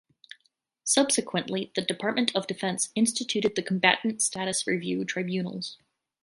Subsequently the Department of Defense instituted the Combatant Status Review Tribunals.